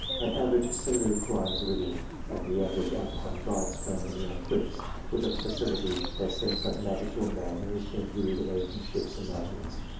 An average sailor climbs rigging, and an average Alpine guide scrambles along cliffs, with a facility that seems like magic to a man who has been reared away from ships and mountains.